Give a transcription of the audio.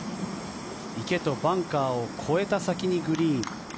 池とバンカーを越えた先にグリーン。